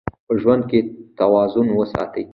په ژوند کې توازن وساتئ.